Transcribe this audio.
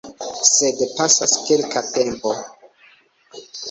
Sed pasas kelka tempo.